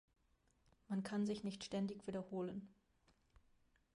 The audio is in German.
Man kann sich nicht ständig wiederholen.